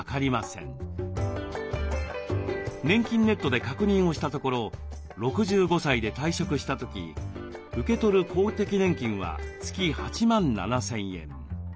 「ねんきんネット」で確認をしたところ６５歳で退職した時受け取る公的年金は月８万７，０００円。